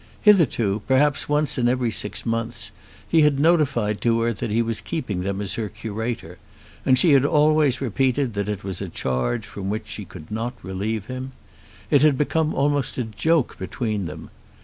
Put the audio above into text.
Hitherto, perhaps once in every six months, he had notified to her that he was keeping them as her curator, and she had always repeated that it was a charge from which she could not relieve him. It had become almost a joke between them.